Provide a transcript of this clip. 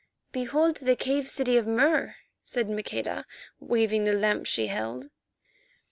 "Behold the cave city of Mur," said Maqueda, waving the lamp she held.